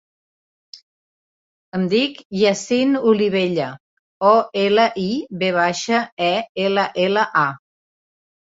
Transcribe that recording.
Em dic Yassine Olivella: o, ela, i, ve baixa, e, ela, ela, a.